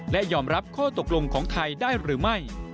และยอมรับข้อตกลงของไทยได้หรือไม่